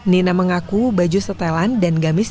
nina mengaku baju setelan dan gamis